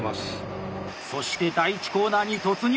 そして第１コーナーに突入。